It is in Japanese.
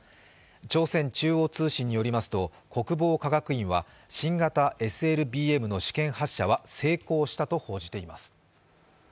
朝鮮中央通信によりますと国防科学院は新型ＳＬＢＭの試験発射は成功したと報じています。